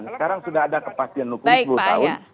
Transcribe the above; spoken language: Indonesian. sekarang sudah ada kepastian hukum sepuluh tahun